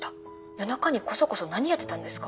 夜中にコソコソ何やってたんですか？